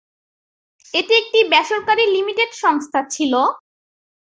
এটি একটি বেসরকারী লিমিটেড সংস্থা ছিল।